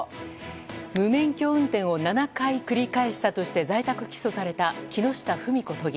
無免許運転を７回繰り返したとして在宅起訴された木下富美子都議。